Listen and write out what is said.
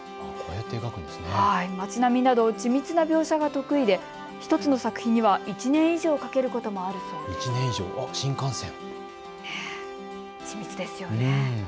町並みなど緻密な描写が得意で１つの作品には１年以上かけることもあるそうです。